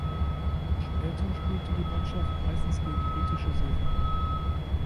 Später spielte die Mannschaft meistens gegen britische Seefahrer.